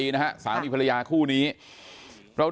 นางมอนก็บอกว่า